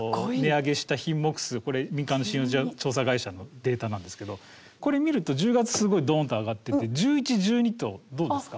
これ民間の信用調査会社のデータなんですけどこれ見ると１０月すごいどんって上がってて１１１２とどうですか？